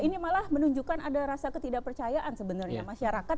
ini malah menunjukkan ada rasa ketidakpercayaan sebenarnya masyarakat